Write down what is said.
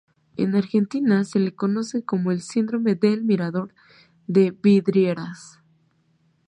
En Argentina se le conoce como el "síndrome del mirador de vidrieras".